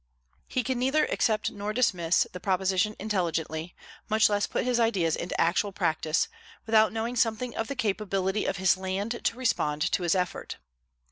He can neither accept nor dismiss the proposition intelligently, much less put his ideas into actual practice, without knowing something of the capability of his land to respond to his effort.